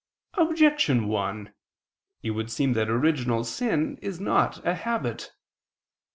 Objection 1: It would seem that original sin is not a habit.